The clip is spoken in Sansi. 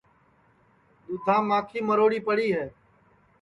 دُؔدھام ماکھی مروڑی پڑی ہے